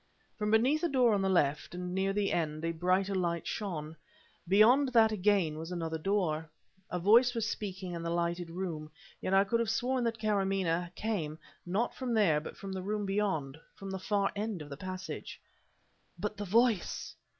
From beneath a door on the left, and near the end, a brighter light shone. Beyond that again was another door. A voice was speaking in the lighted room; yet I could have sworn that Karamaneh had come, not from there but from the room beyond from the far end of the passage. But the voice!